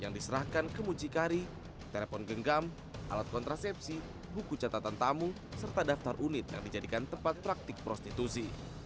yang diserahkan ke mucikari telepon genggam alat kontrasepsi buku catatan tamu serta daftar unit yang dijadikan tempat praktik prostitusi